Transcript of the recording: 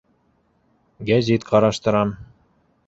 - Гәзит ҡараштырам.